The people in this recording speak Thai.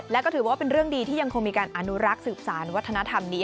และก็ถือว่าเป็นเรื่องดีที่ยังคงมีการอนุรักษ์สืบสารวัฒนธรรมนี้